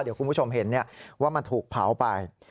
เดี๋ยวคุณผู้ชมเห็นว่ามันถูกเผาไป